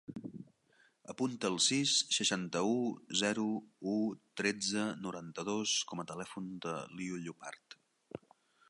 Apunta el sis, seixanta-u, zero, u, tretze, noranta-dos com a telèfon de l'Iu Llopart.